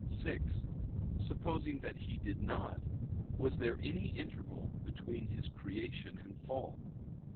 (6) Supposing that he did not, was there any interval between his creation and fall?